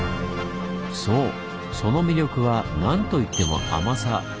その魅力はなんといっても「甘さ」！